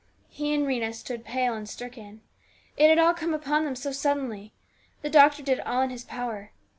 He and Rhena stood pale and stricken. It had all come upon them so suddenly. The doctor did all in his power.